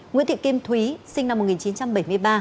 nguyễn thị kim thúy sinh năm một nghìn chín trăm bảy mươi ba